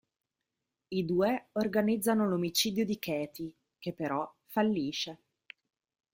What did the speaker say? I due organizzano l'omicidio di Cathy, che però fallisce.